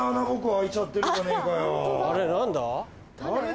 あれ何だ？